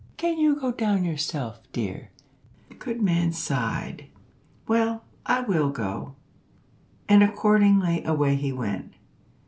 Can you go down yourself, dear?" The good man sighed. "Well, I will go," and accordingly away he went.